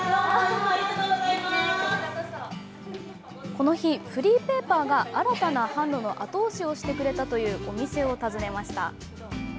この日、フリーペーパーが新たな販路の後押しをしてくれたというお店を訪ねました。